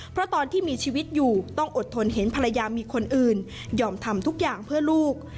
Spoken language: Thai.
เพราะตอนที่มีชีวิตอยู่ต้องอดทนเห็นภรรยามีคนอื่นยอมทำทุกอย่างเพื่อลูก